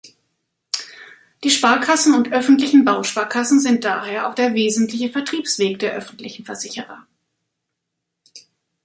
Die Sparkassen und öffentlichen Bausparkassen sind daher auch der wesentliche Vertriebsweg der Öffentlichen Versicherer.